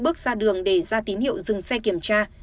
bước ra đường để ra tín hiệu dừng xe kiểm tra